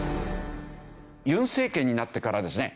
尹政権になってからですね